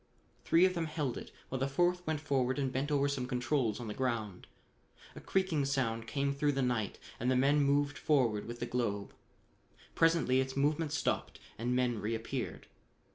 Three of them held it, while the fourth went forward and bent over some controls on the ground. A creaking sound came through the night and the men moved forward with the globe. Presently its movement stopped and men reappeared.